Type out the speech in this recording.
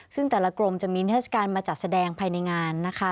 ซึ่งแต่ละกรมจะมีนิทรศการมาจัดแสดงภายในงานนะคะ